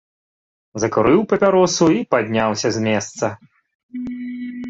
Закурыў папяросу і падняўся з месца.